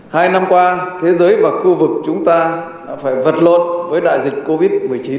hai năm qua thế giới và khu vực chúng ta phải vật lộn với đại dịch covid một mươi chín